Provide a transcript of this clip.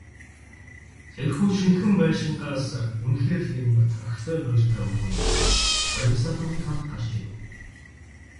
Тэрхүү шинэхэн байшингаас үнэхээр л нэгэн тохитой буурьтай өвгөн, хоёр залуугийн хамт гарч ирэв.